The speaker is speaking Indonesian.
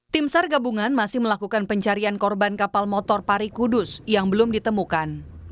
tim sar gabungan masih melakukan pencarian korban kapal motor pari kudus yang belum ditemukan